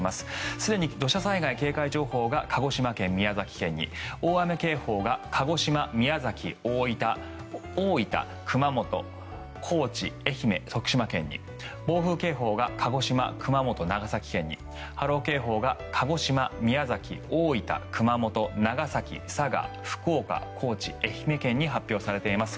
すでに土砂災害警戒情報が鹿児島県、宮崎県に大雨警報が鹿児島、宮崎、大分、熊本高知、愛媛、徳島県に暴風警報が鹿児島、熊本、長崎県に波浪警報が鹿児島、宮崎、大分、熊本長崎、佐賀、福岡、高知愛媛県に発表されています。